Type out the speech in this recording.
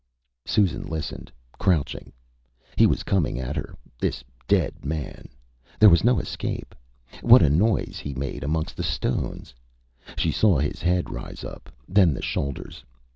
Â Susan listened, crouching. He was coming for her, this dead man. There was no escape. What a noise he made amongst the stones. ... She saw his head rise up, then the shoulders.